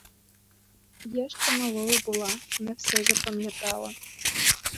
Я ще малою була, не все запам'ятала.